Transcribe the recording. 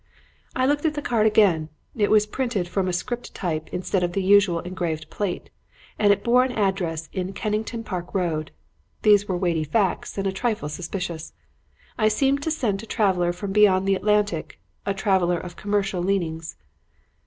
I looked at the card again. It was printed from script type instead of the usual engraved plate and it bore an address in Kennington Park Road. These were weighty facts and a trifle suspicious. I seemed to scent a traveler from beyond the Atlantic; a traveler of commercial leanings.